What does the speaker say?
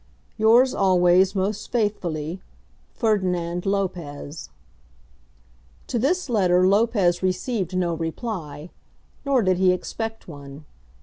Yours always most faithfully, FERDINAND LOPEZ. To this letter Lopez received no reply; nor did he expect one.